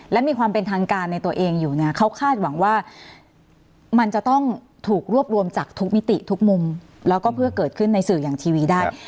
และมีความเป็นทางการในตัวเองอยู่เนี่ยเขาคาดหวังว่ามันจะต้องถูกรวบรวมจากทุกมิติทุกมุมแล้วก็เพื่อเกิดขึ้นในสื่ออย่างทีวีได้